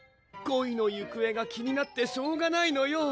恋の行方が気になってしょうがないのよ！